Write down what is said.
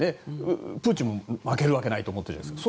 プーチンも負けるわけないと思ってるじゃないですか。